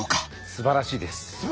すばらしいです！